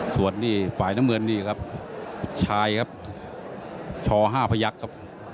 ส่วนนี่ฝ่ายน้ำเงินนี่ครับชายครับช๕พยักษ์ครับ